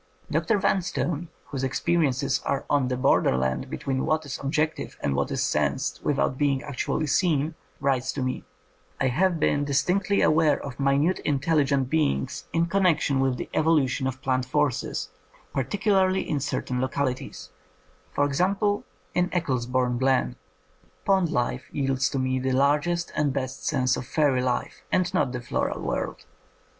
Dr. Van stone, whose experiences are on the border land between what is objective and what is sensed without being actually seen, writes to me: *'I have been distinctly aware of minute intelligent beings in connection with the evolution of plant forces, particularly in certain localities; for instance, in Eccles bourne Glen. Pond life yields to me the largest and best sense of fairy, life, and not the floral world.